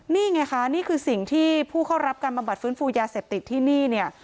นี่ไงคะนี่คือสิ่งที่ผู้เข้ารับการบำบัดฟื้นฟูยาเสพติดที่นี่เนี่ย